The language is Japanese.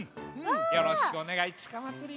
よろしくおねがいつかまつります。